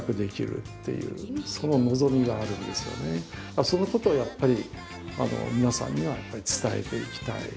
やっぱりそのことをやっぱり皆さんには伝えていきたい。